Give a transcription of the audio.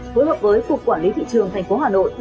phối hợp với cục quản lý thị trường tp hà nội